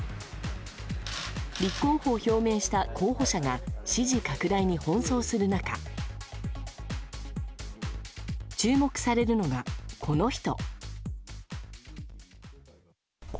立候補を表明した候補者が支持拡大に奔走する中注目されるのが、この人。